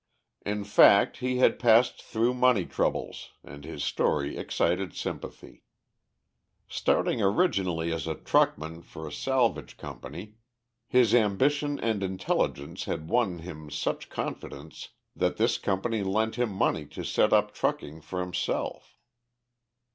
In fact, he had passed through money troubles, and his story excited sympathy. Starting originally as a truckman for a salvage company, his ambition and intelligence had won him such confidence that this company lent him money to set up trucking for himself.